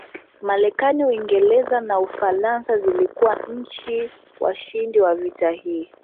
Marekani Uingereza na Ufaransa zilikuwa nchi washindi wa vita hii